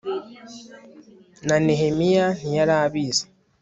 na nehemiya ntiyari abizi